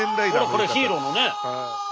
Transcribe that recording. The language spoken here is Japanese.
これヒーローのね。